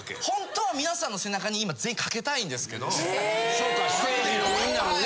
そうかステージの皆をね。